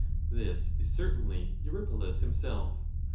This is certainly Eurypylus himself.